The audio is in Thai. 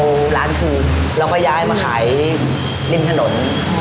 อเรนนี่เขาไปย้ายมาขายริมถนน